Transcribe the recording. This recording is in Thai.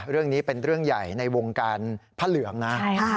เรื่องนี้เป็นเรื่องใหญ่ในวงการพระเหลืองนะ